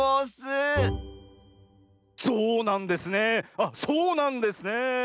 あっそうなんですねえ。